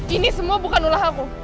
ini semua bukan ulah aku